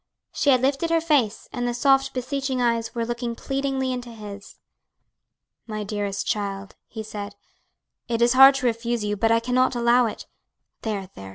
She had lifted her face, and the soft, beseeching eyes were looking pleadingly into his. "My dearest child," he said, "it is hard to refuse you, but I cannot allow it. There, there!